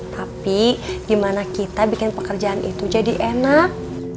tapi gimana kita bikin pekerjaan itu jadi enak